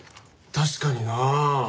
確かにな。